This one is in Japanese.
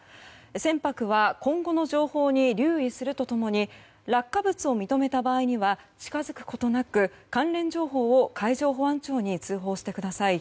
船舶は今後の情報に留意するとともに落下物を認めた場合には近づくことなく関連情報を海上保安庁に通報してください。